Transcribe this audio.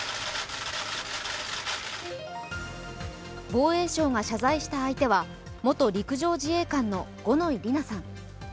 防衛省が謝罪した相手は元陸上自衛官の五ノ井里奈さん。